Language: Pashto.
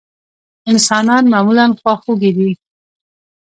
انسانان معمولا خواخوږي دي.